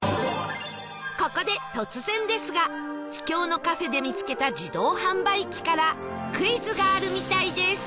ここで突然ですが秘境のカフェで見つけた自動販売機からクイズがあるみたいです